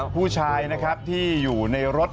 ผู้ชายนะครับที่อยู่ในรถ